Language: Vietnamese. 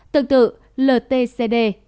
tương tự l t c d